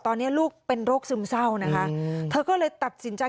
ตอนนี้ลูกเป็นโรคซึมเศร้านะคะเธอก็เลยตัดสินใจ